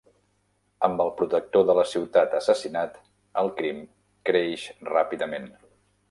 Amb el protector de la ciutat assassinat, el crim creix ràpidament.